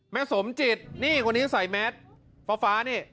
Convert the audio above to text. สมจิตนี่คนนี้ใส่แมสฟ้านี่